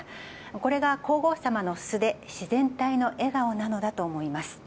これが皇后さまの素で、自然体の笑顔なのだと思います。